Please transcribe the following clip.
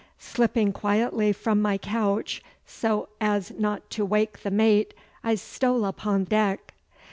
Slipping quietly from my couch, so as not to wake the mate, I stole upon deck.